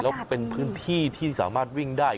แล้วเป็นพื้นที่ที่สามารถวิ่งได้